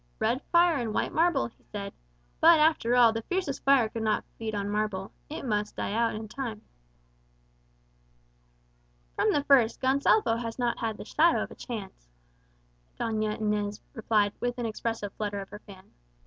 "Red fire and white marble," he said. "But, after all, the fiercest fire could not feed on marble. It must die out, in time." "From the first, Gonsalvo had not the shadow of a chance," Doña Inez replied, with an expressive flutter of her fan.